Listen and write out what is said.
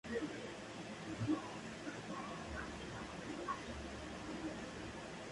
Mapa de la localidad en Google Maps.